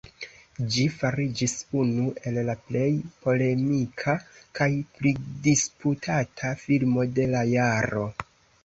Ĝi fariĝis unu el la plej polemika kaj pridisputata filmo de la jaro.